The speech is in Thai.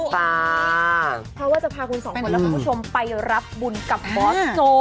เพราะว่าจะพาคุณสองคนและคุณผู้ชมไปรับบุญกับมอสโจ